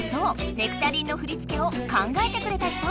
「ネクタリン」の振り付けを考えてくれた人！